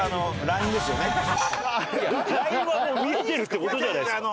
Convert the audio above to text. ラインはでも見えてるって事じゃないですか。